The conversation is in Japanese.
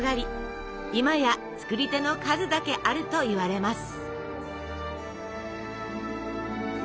今や作り手の数だけあるといわれます。